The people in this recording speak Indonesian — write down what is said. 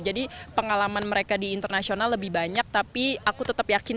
jadi pengalaman mereka di internasional lebih banyak tapi aku tetap yakin